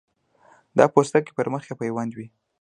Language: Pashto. دا پوستکی پر مخ یې پیوند وي.